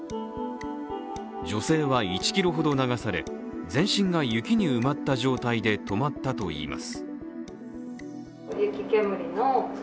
女性は１ｋｍほど流され全身が雪に埋まった状態で止まったといいます。